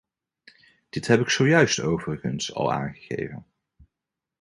Dit heb ik zojuist overigens al aangegeven.